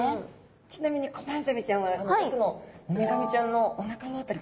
ちなみにコバンザメちゃんはあの奥のウミガメちゃんのおなかの辺りくっついてますね。